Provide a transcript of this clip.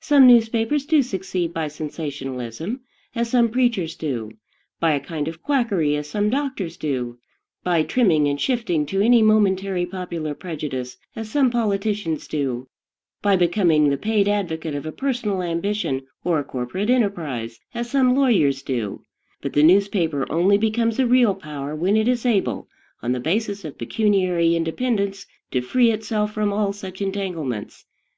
Some newspapers do succeed by sensationalism, as some preachers do; by a kind of quackery, as some doctors do; by trimming and shifting to any momentary popular prejudice, as some politicians do; by becoming the paid advocate of a personal ambition or a corporate enterprise, as some lawyers do: but the newspaper only becomes a real power when it is able, on the basis of pecuniary independence, to free itself from all such entanglements.